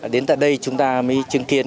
đến tại đây chúng ta mới chứng kiến